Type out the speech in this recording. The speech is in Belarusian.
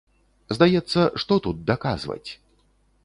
Здаецца, што тут даказваць?